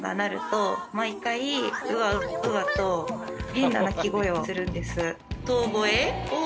・変な鳴き声をするんです。